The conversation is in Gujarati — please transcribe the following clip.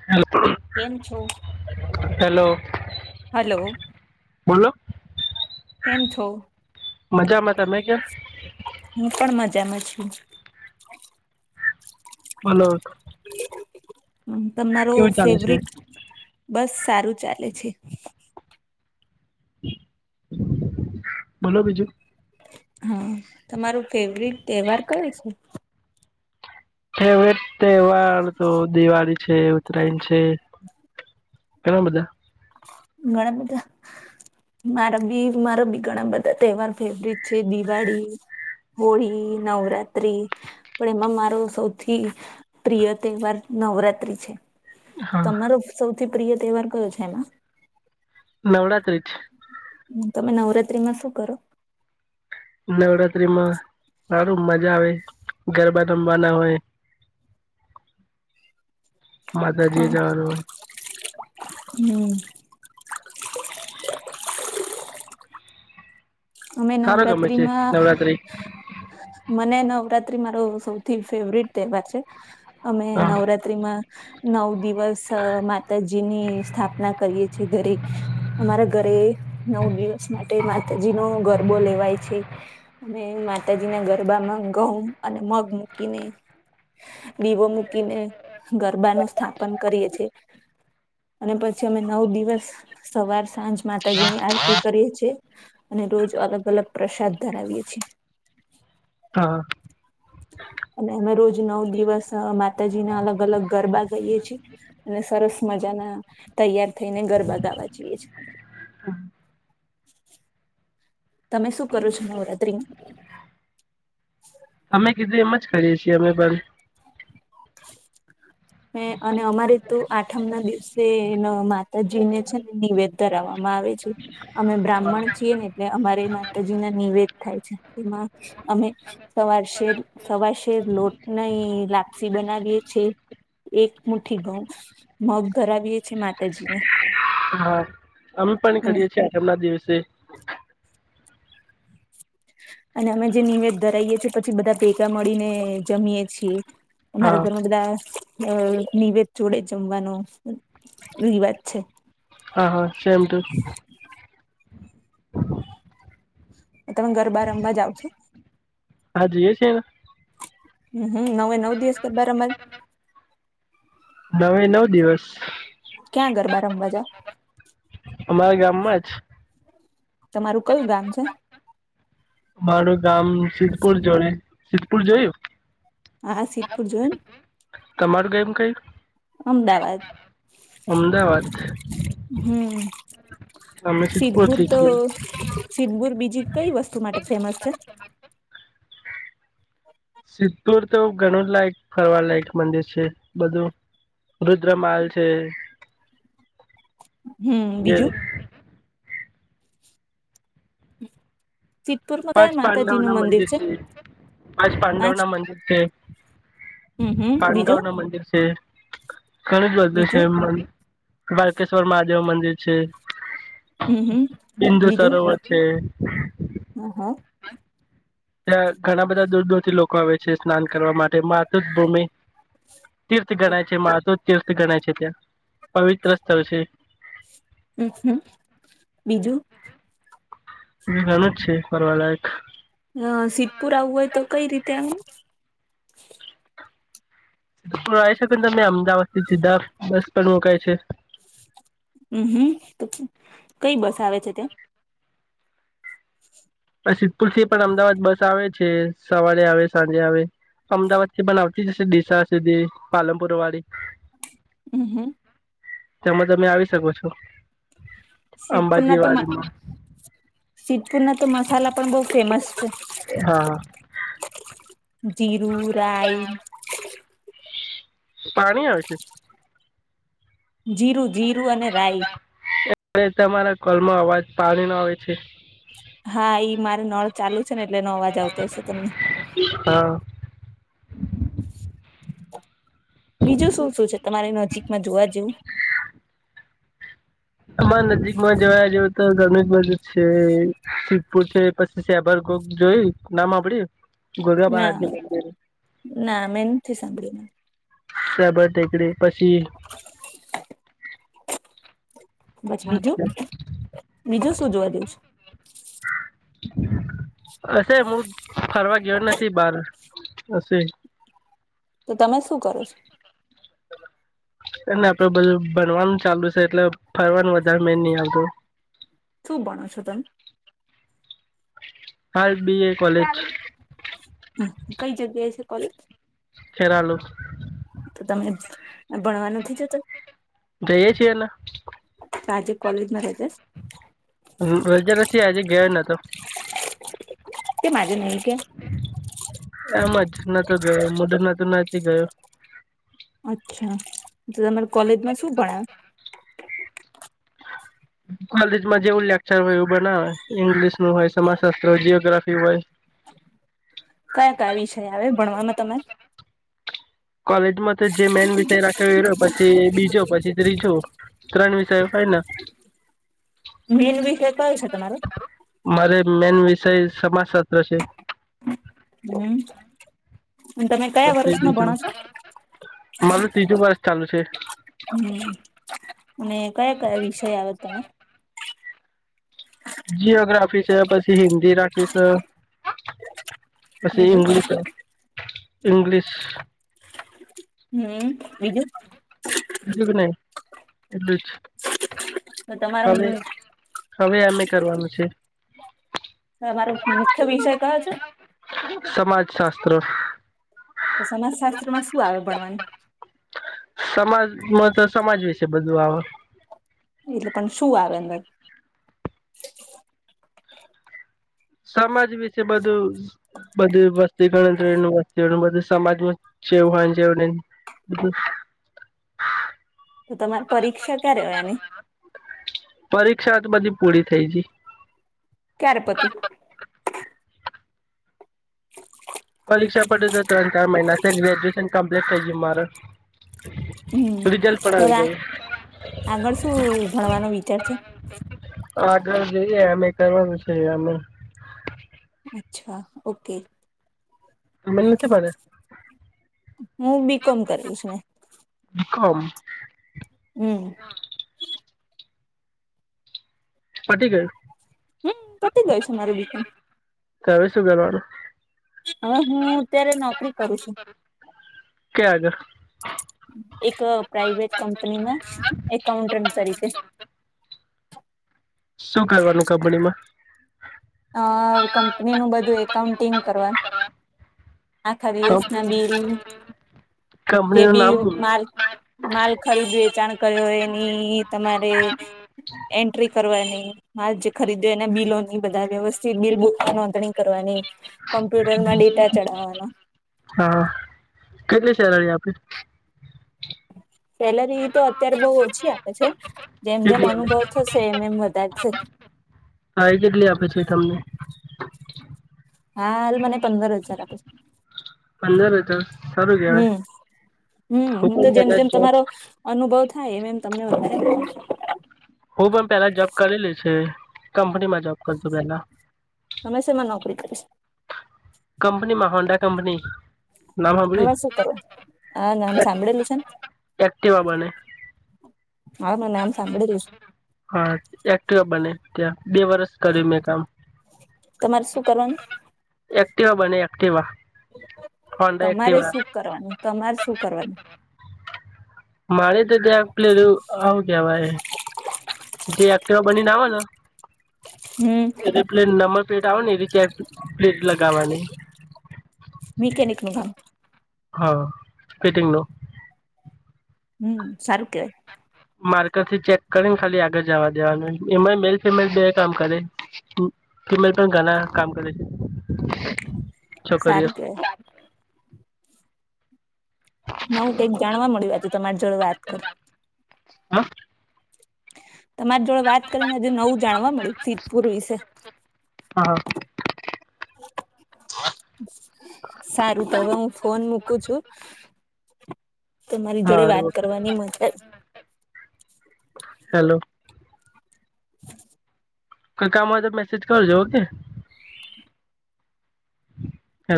હ કેમ છો હલો બોલો કેમ છો મજામાં તમે ક્યા હું પણ મજામાં છું બલો હંમ તમારો કેવું ચાલે છે ફેવરેટ બસ સારું ચાલે છે બોલો બીજું હા તમારો ફેવરટ તહેવાર કયો છે ફેવરેટ તહેવાર તો દિવાળી છે ઉતરાયણ છે ઘણા બધા ઘણા બધા મારા બી મારા બી ઘણા બધા તહેવાર ફેવરિટ છે દિવાળી હોળી નવરાત્રી પણ એમાં મારો સૌથી પ્રિય તહેવાર નવરાતિ છે હા તમારો સૌથી પ્રિય તહેવાર કયો છે એમાં નવરાત્રી જ હમ તમે નવરાત્રીમાં શું કરો નવરાતત્રીમાં સારું મજા આવે ગરબા રમવાના હોય હા માતાજીએ જવાનું હોય હમ અમે સારો ગમે છે નવરાત્રીમાં નવરાત્રિ મને નવરાત્રી મારો સૌથી ફેવરટ તહેવાર છે અમે હા નવરાતત્રીમાં નવ દિવસ માતાજી ની સ્થાપના કરીએ છીએ ઘરે અમારા ઘરે નવ દિવસ માટે માતાજી નો ગરબો લેવાય છે અ માતાજી ના ગરબામાં ગઉં અને મગ મૂકીને દીવો મૂકીને ગરબાનું સ્થાપન કરીએ છે અને પછી અમે નવ દિવસ સવાર સાંજ માતાજી ની આરતી કરીએ છ છેીએ અને રોજ અલગ અલગ પ્રસાદ ધરાવીએ છીએ હા અને અમે રોજ નવ દિવસ માતાજી ના અલગ અલગ ગરબા ગાઈએ છે અને સરસ મજા ના તૈયાર થઈને ગરબા ગાવા જઈએ છે તમે શું કરો છો નવરાત્રીમા અમે કીધું એમ જ ખાઈએ છીએ અમે પણ [inaudible] હ અને અમારે તો આઠમ ના દિવસે માતાજી ને છે ને નિવેદ ધરાવવામાં આવે છે અમે બ્રાહ્મણ છીએ ને એટલે અમારી માતાજીને નિવેદ થાય છે એમાં અમે સવાર શેર સવાર શેર લોટ નઈ લાગ પક્ષી બનાવીએ છેએ એક મુ્ઠી ઘઉં મગ ધરાવીએ છીએ માતાજીને હા અમે પણ અને કરીએ છીએ આઠમ ના દિવસે અને અમે જે નિવેદ ધરાઈએ છીએ પછી બધા ભેગા મળીને જમીએ છીએ અમારે હા ઘરમા બધા અ નિવેદ જોડે જમવાનું ર વાત છે. હા હા સેમ ટુ. તમે ગરબા રમવાા જાવ છો? હાજીએ છેન હમ હમ નવે નવ દિવસ ગરબા રમવા નવે નવ દિવસ ક્યાં ગરબા રમવા જાવ અમારા ગામમાં જ તમારું કયું ગામ છે? મારું ગામ સિદ્ધપુર જોય સિદ્ધપુર જોયું? હા સિદ્ધપુર જોયુ. તમારું ગમ કઈ? અમદાવાદ. અમદાવાદ. હમ. અમે શી પથી છ. સિબુર બીજી કઈ વસ્તુ માટે ફેમસ છે? સિદ્ધપુર તો ઘણું જ લાયક ફરવા લાયક મંદિર છે. બધું રુદ્ર માલ છે. હમ. જે બીજું? હ. પાંચ પાંડવ ના મંદિર છે. પાંચ પાંડવ ના મંદિર છે. હમ હમ પાંડવ બીજું ના મંદિર છે. ઘણ જ બધું છે બીજું એ બાલકેશ્વર મહાદેવ મંદિર છે. હમ હમ બિંદુ બીજું સરોવર હ. હ હા. હા. ત્યાં ઘણા બધા દૂર દૂર થી લોકો આવે છે. સ્નાન કરવા માટે માતૃભૂમિ તીર્થ ગણાય છે માતો તીર્થ ગણાય છે. ત્યાં પવિત્ર સ્થળ છે. હમ હમ બીજું? હ જા જ છ કરવા લાયક. અ સિદ્ધપુર આવવું હોય તો કઈ રીતે આવ? ધ આવી શકે ને તમને અમદાવાદ થી સીધા બસ પણ મુકાય છે. હમ હમ તો કઈ બસ આવે છે ત્યા? સિદ્ધપુર થી પણ અમદાવાદ બસ આવે છે. સવારે આવે સાંજે આવે. અમદાવાદથી બનાવતી જશે દિશા સુધી પાલનપુર વાળી. હમ હમ. તેમમાં જ અમે આવી શકો છો અંબાજી વાળમાં. સિતપુર ના તો મસાલા પણ બહુ ફેમસ છે. હા જીરું રાઈ. પાણી આવે છે. જીરું જીરું અને રાઈસ. એ તમારા કોલમાં અવાજ પાણી ન આવે છે. હા ઈ મારે નળ ચાલુ છે ને એટલે એનો અવાજ આવતો હશે તમને. હા. બીજું શું શું છે તમારે નજીકમાં જોવા જેવું? આમાં નજીકમાં જવાયા જો. ગણેશ બજ છે શિ્પુર છે પછી શબર ગોગ જોય નામ આપડી. ના ગુરગાબારા. ના મેં નથી સાંભળ્યું શબર ટેકડી પછી. પછ બીજું? બીજું શું જોવા દે છે. હશે હું ફરવા ગયો નથી બારે હશે. તો તમે શું કરો છો? શ. એને આપડે બધું ભનવાનું ચાલુ છે એટલે ફરવાનું વધારે મેન નહી આવતું. શું ભણો છો તમે? કાલ બી એ કોલેજ. હ કઈ જગ્યાએ છે કોલેજ. ખેરાલું. તો તમે ભણવા નથી જતા. જ‌ઇએ છે ને. આજે કોલેજમાં રજા. હ રજા નથી આજે ગયો નોતો. તે માજું નહી છેે [inaudible] એમ જ નતો ગયો મુંડ નતું નથી ગયો. અચ્છા તો તમારા કોલેજમાં શું ભણાય. કોલેજમાં જેવું લેક્ચર હોય એવું બનાવે ઈંગ્લિશ નું હોય સમાજશાસ્ત્ર હોય જીઓગ્રાફી હોય. કયા કયા વિષય આવે ભણવામાં તમારે? કોલેજમાં તો જે મેન વિષય રાખ્યો એયો પછી બીજો પછી ત્રીજો. ત્રણ વિષય ફાઇનલ. મેન વિષય કાયો છે તમારો. મારે મેન વિષય સમાજ સત્ર છે. હમ. અને તમે કયા વર્ષમાં ભણો છો મારું ત્રીજું વર્ષ ચાલુ છે. હમ અને કયા કયા વિષય આવે તમારે. જીઓગ્રાફી છે પછી હિન્દી રાખી છે. પછી બીજું ઇંગ્લિશ અ ઇંગ્લિશ. હમ બીજું. બીજું કે નહી એટલું જ. હ તમારા હવે મમ્મી એ. હવે અમે કરવાનું છે. તમારો મુખ્ય વિષય કયો છે. સમાજ શાસ્ત્ર. તો સમાજ શાસ્ત્ર માં શું આવે ભણવાનું સમાજમાં તો સમાજ વિશે બધું આવે. એટલે પણ શું આવે અંદર? સમાજ વિશે બધું બધી વસ્તી ગણતરી નું વસ્તી એવું બધું. સમાજમાં છે જેવું હોય જેવું ન‌ઈ. તો તમારી પરીક્ષા ક્યારે હોય આની. પરીક્ષા તો બધી પૂરી થઈ જી. ક્યારે પતિ. પરીક્ષા પડે તો ત્રણ ચાર મહિનાથી ગ્રેજ્યુએશન કમ્પ્લીટ થઈ મારે. હમ રિઝલ્ટ પણ તો આવી આ ગયું આગળ શું ભણવાનો વિચાર છે. આગળ જોઈએ અમે કરવાનું છે અમે. અચ્છા ઓકે. મેને નથી પાડે. હું બી કોમ કરીશ ને. હારું. હું. પટી ગયું. હમ પતી ગય છે મારું બીકન હવે શું કરવાનું હવે હું અત્યારે નોકરી કરું છું. કે આગળ એક પ્રાઈવેટ કંપનીમાં એકાઉન્ટન્ટ તરીકે. શું કરવાનું કંપડી મા. અ કંપની નું બધું એકાઉન્ટિંગ કરવા. આખા દિવસ ના બિલ જે કંપનીનું બી નામ બોલો. માર્ માલ ખરીદ વેચાણ કર્યો એની તમારે એન્ટ્રી કરવાની મા જે ખરીદ્યો એના બિલોની બધા વ્યવસ્થિત બિલ બ નોંધણી કરવાની કોમ્પ્યુટર માં ડેટા ચઢાવવાનો હા કેટલી સેલરી આપી સેલરી તો અત્યારે બહ ઓછી આપે છે જેમ જેમ કેટલી આપે અનુભવ થશે એમ એમ બધા જ હા એ કેટલી આપે છે તમને હા એ મને પંદર હજાર આપ છે પંદર હજાર સારું કેવાય હમ હમ હું તો પણ જેમ પેલા જેમ જોબ તમારો અનુભવ થાય એમ એમ તમને વધારે હું પણ પેલા જોબ કરેલી છ કંપનીમાં જોબ કર છુ પેલા હમેશામાં નોકરી કરીશ કંપનીમાંહોંડા કંપની નામ હ બ એમાં શું કરવા આ નામ સાંભળેલું એકટે બાબાને મારે મને આમ સાંભળીલું છે હા એક્ટિવ બને ત્યાં બે વર્ષ કર્યું મેં કામ તમારે શું કરવાનું એક્ટવા બને એક્ટવા તમારે શું કરવાનું તમારે શું કરવાનું મારે તો ત્યાંગ પ્લેર આવું કેવાય જે આખેવા બનીને આવે ને હમ પ્લેટ નંબર પ્લેટ આવે ને એ ચાર પ્લેટ લગાવવાની મ કે નક નું ભામ હા ફીટિંગ નું હમ સરારખ માર્કર થી ચેક કરીને ખાલી આગળ જવા દેવાનું એમાં મેલ ફિમેલ બે કામ કરે કે મારી પણ ઘણા કામ કરે છે છોકરીઓ સારું કે ના હું કઈક જાણવા મળ્યું આ તો તમારી જોડે વાત કરી હા તમારી જોડે વાત કરીને આજે નવું જાણવા મળ્યું સિદ્ધપુર વિશે હા સારું તો હવે હું ફોન મૂકું છું તમારી હા જોડે વાત હારું કરવાની મજા હેલો કોઈ કામ હોય તો મેસેજ કરજો ઓકે હેલો